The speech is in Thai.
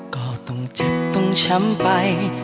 ก็ต้องเจ็บต้องช้ำไป